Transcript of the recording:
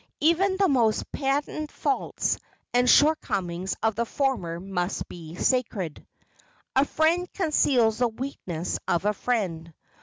Even the most patent faults and shortcomings of the former must be sacred—"A friend conceals the weaknesses of a friend."